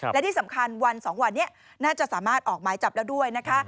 และที่สำคัญวัน๒วันนี้น่าจะสามารถออกหมายจับแล้วด้วยนะคะ